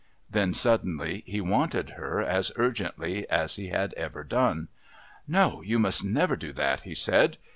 Then suddenly he wanted her as urgently as he had ever done. "No, you must never do that," he said.